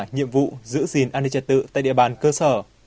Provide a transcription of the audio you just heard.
nhiệm vụ giữ gìn an ninh trật tự tại địa bàn cơ sở